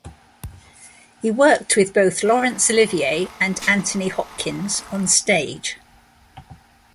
He worked with both Laurence Olivier and Anthony Hopkins on stage.